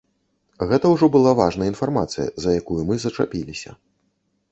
Гэта ўжо была важная інфармацыя, за якую мы зачапіліся.